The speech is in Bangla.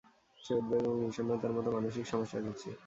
সে উদ্বেগ এবং বিষণ্নতার মতো, মানসিক সমস্যায় ভুগছে।